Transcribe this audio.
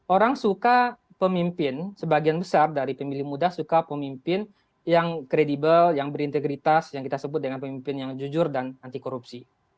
orang suka pemimpin sebagian besar dari pemilih muda suka pemimpin yang kredibel yang berintegritas yang kita sebut dengan pemimpin yang jujur dan anti korupsi